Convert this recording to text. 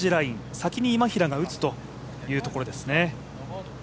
先に今平が打つというところですね。